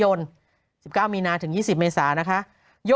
โหยวายโหยวายโหยวายโหยวาย